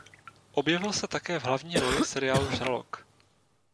Objevil se také v hlavní roli seriálu "Žralok".